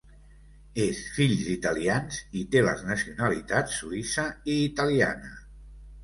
És fill d'italians i té les nacionalitats suïssa i italiana.